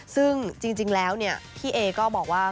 ซึ่งจริงแล้วพี่เอก็บอกว่า